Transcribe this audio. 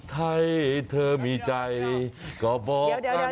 ถ้าเธอมีใจก็บอกกันสักคำเป็นไร